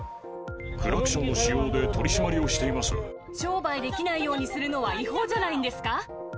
クラクションの使用で取締り商売できないようにするのは違法じゃないんですか！